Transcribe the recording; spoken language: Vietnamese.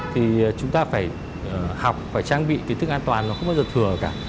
thì chúng ta phải học phải trang bị kiến thức an toàn nó không bao giờ thừa cả